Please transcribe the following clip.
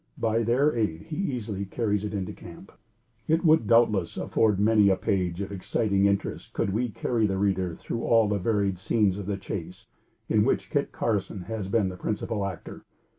By their aid he easily carries it into camp. It would doubtless afford many a page of exciting interest could we carry the reader through all the varied scenes of the chase in which Kit Carson has been the principal actor.